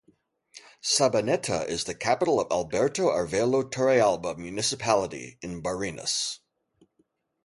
Sabaneta is the capital of Alberto Arvelo Torrealba Municipality in Barinas.